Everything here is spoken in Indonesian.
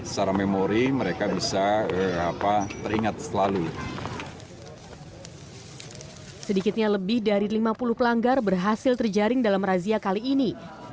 sedikitnya lebih dari lima puluh pelanggar berhasil terjaring dalam razia kali ini